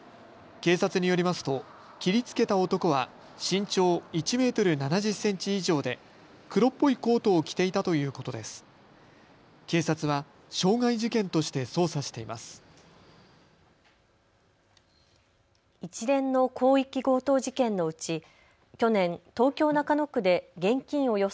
警察によりますと切りつけた男は身長１メートル７０センチ以上で黒っぽいコートを着ていたということです。